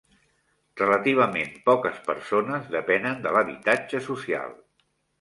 Relativament poques persones depenen de l'habitatge social.